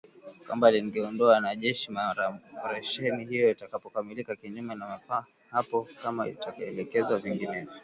kwamba lingeondoa wanajeshi mara operesheni hiyo itakapokamilika kinyume na hapo kama itaelekezwa vinginevyo